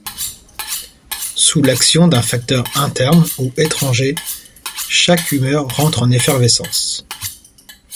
Sous l’action d’un facteur interne ou étranger, chaque humeur rentre en effervescence.